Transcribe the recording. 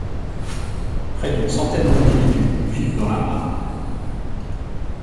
Près d'une centaine d'individus vivent dans la mare.